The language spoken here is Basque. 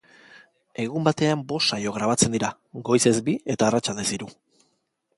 Egun batean bost saio grabatzen dira, goizez bi eta arratsaldez hiru.